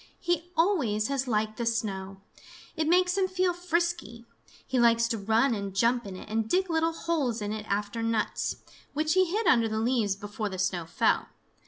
He always has liked the snow. It makes him feel frisky. He likes to run and jump in it and dig little holes in it after nuts, which he hid under the leaves before the snow fell.